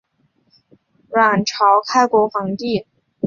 阮朝开国皇帝嘉隆帝阮福映的长子。